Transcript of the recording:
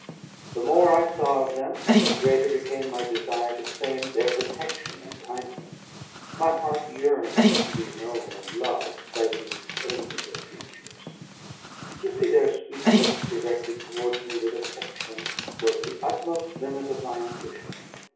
The more I saw of them, the greater became my desire to claim their protection and kindness; my heart yearned to be known and loved by these amiable creatures: to see their sweet looks directed towards me with affection, was the utmost limit of my ambition.